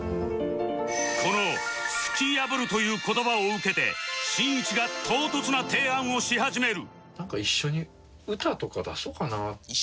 この「突き破る」という言葉を受けてしんいちが唐突な提案をし始める